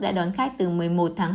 đã đón khách từ một mươi một tháng hai